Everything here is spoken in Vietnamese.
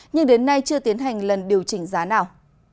nhưng đến nay chưa tiến hành lần điều chỉnh giá nào